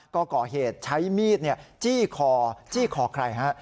ก็ก่อเหตุใช้มีดจี้คอจี้คอใครฮะ